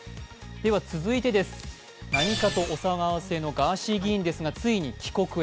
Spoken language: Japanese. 続いてです、何かとお騒がせのガーシー議員ですがついに帰国へ。